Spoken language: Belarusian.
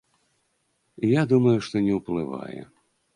Я думаю, што не ўплывае.